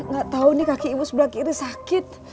gak tahu nih kaki ibu sebelah kiri sakit